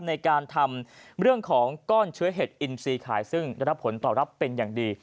ในการทำเรื่องของก้อนเชื้อเห็ดอินซีขายซึ่งได้รับผลตอบรับเป็นอย่างดี